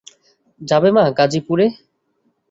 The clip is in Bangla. যাবে মা, গাজিপুরে?